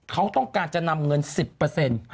เขาต้องการจะนำเงิน๑๐